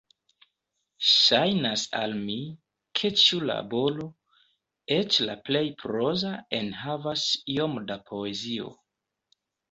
Ŝajnas al mi, ke ĉiu laboro, eĉ la plej proza, enhavas iom da poezio.